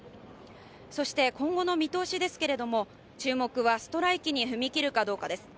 そして今後の見通しですけれども注目はストライキに踏み切るかどうかです。